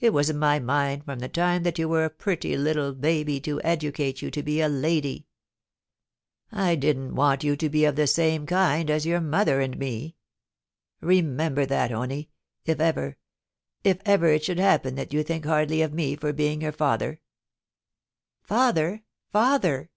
It was in my mind from the time that you were a pretty little baby to educate you to be a lady. I didn't want you to be of the same kind as your mother and me. Remember that, Honie, if ever — if ever it should happen that you think hardly of me for being your father.' ' Father, father